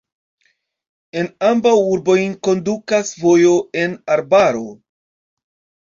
En ambaŭ urbojn kondukas vojo en arbaro.